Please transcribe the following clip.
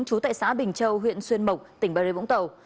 trú tại xã bình châu huyện xuyên mộc tỉnh bà rê vũng tàu